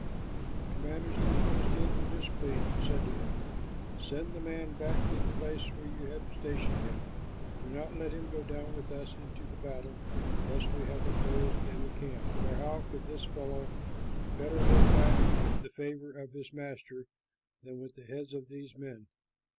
But the commanders of the Philistines were displeased and said to him, "Send the man back to the place where you had stationed him. Do not let him go down with us into battle, lest we have a foe in the camp; for how could this fellow better win back the favor of his master than with the heads of these men?